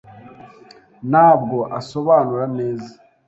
Ntabwo asobanura neza.